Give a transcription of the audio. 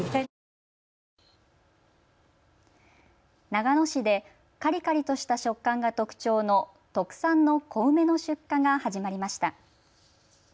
長野市でカリカリとした食感が特徴の特産の小梅の出荷が始まりました。